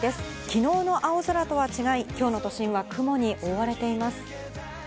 昨日の青空とは違い、今日の都心は雲に覆われています。